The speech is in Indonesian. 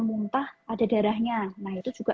muntah ada darahnya nah itu juga